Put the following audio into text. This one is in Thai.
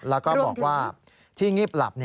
แล้วก็บอกว่าที่งีบหลับ